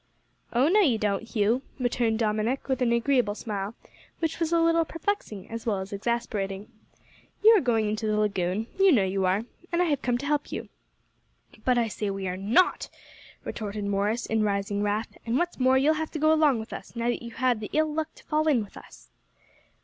"Oh no, you don't, Hugh," returned Dominick, with an agreeable smile, which was a little perplexing as well as exasperating. "You are going into the lagoon; you know you are, and I have come to help you." "But I say we are not!" retorted Morris, in rising wrath, "and what's more, you'll have to go along with us, now that you've had the ill luck to fall in with us."